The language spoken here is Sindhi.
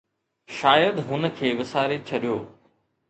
شايد هن کي وساري ڇڏيو